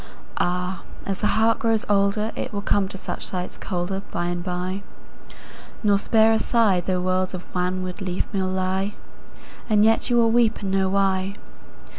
Áh! ás the heart grows olderIt will come to such sights colderBy and by, nor spare a sighThough worlds of wanwood leafmeal lie; And yet you wíll weep and know why.